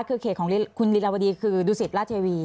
คือเขตของคุณลีลาวดีคือดูสิตราชเทวี